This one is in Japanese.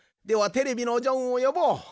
ではテレビのジョンをよぼう。